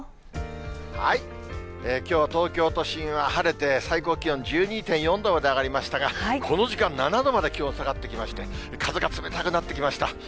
きょう、東京都心は晴れて、最高気温１２．４度まで上がりましたが、この時間、７度まで気温、下がってきまして、風が冷たくなってきました。